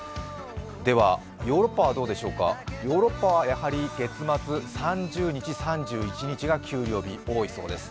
では、ヨーロッパはどうでしょうかヨーロッパはやはり月末３０日、３１日が給料日多いようです。